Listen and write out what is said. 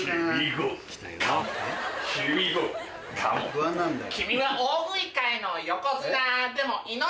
不安なんだよ。